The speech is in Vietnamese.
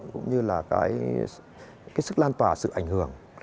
cũng như là cái sức lan tỏa sự ảnh hưởng